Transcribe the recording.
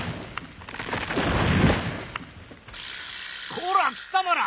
こら貴様ら！